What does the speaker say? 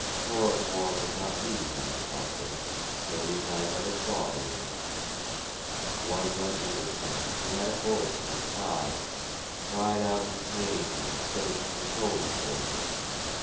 Chloroform was not used in this hospital; at least I never saw any of it. One young Englishman, who had a bullet in his thigh, cried out in pain when the surgeon was probing for it.